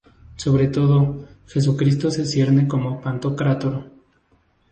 Sobre todo, Jesucristo se cierne como pantocrátor.